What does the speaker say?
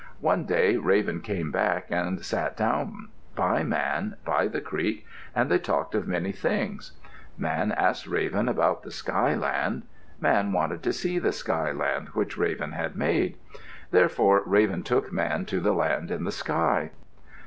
One day Raven came back and sat down by Man by the creek and they talked of many things. Man asked Raven about the skyland. Man wanted to see the skyland which Raven had made. Therefore Raven took Man to the land in the sky.